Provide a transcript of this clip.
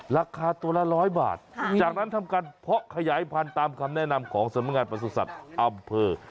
ราคาตัวละ๑๐๐บาทจากนั้นทำการเพาะขยายพันธุ์ตามคำแนะนำของสำนักงานประสุทธิ์อำเภอ